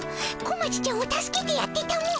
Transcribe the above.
小町ちゃんを助けてやってたも。